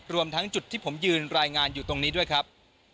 รวมทั้งจุดที่ผมยืนรายงานอยู่ตรงนี้ด้วยครับ